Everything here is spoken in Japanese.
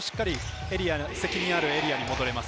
責任あるエリアに戻れます。